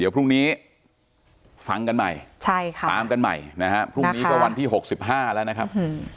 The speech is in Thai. เดี๋ยวพรุ่งนี้ฟังกันใหม่ใช่ค่ะฟังกันใหม่นะฮะพรุ่งนี้ก็วันที่หกสิบห้าแล้วนะครับ